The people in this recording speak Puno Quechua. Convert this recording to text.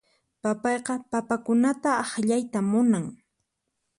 Papayqa papakunata akllayta munan.